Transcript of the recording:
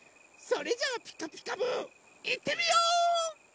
それじゃあ「ピカピカブ！」いってみよう！